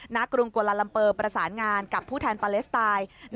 กรุงกวาลาลัมเปอร์ประสานงานกับผู้แทนปาเลสไตน์